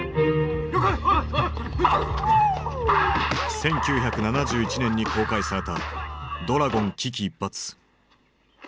１９７１年に公開された「ドラゴン危機一発」。